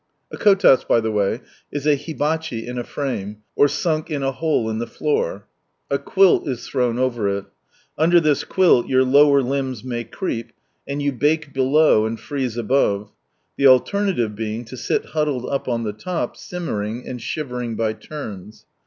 A kotats, by the way, is a hibachi in a frame, or sunk in a hole in the floor. A quilt is thrown over it. Under this quilt your lower limbs may creep, and you bake below, and freeze above ; the alternative being to sit huddled up on the top, simmering, and shivering by turns.